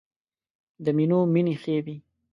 د مینو مینې ښې وې.